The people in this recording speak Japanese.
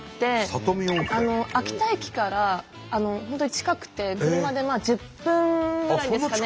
秋田駅から本当に近くて車で１０分ぐらいですかね。